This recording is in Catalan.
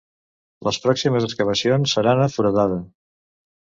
Les pròximes excavacions seran a Foradada.